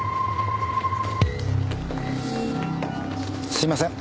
すいません。